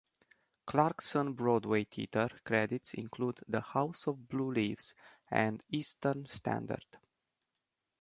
Clarkson's Broadway theatre credits include "The House of Blue Leaves" and "Eastern Standard".